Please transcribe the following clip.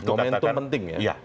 momentum penting ya